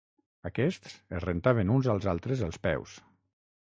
Aquests es rentaven uns als altres els peus.